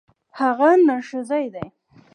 هغه نرښځی دی.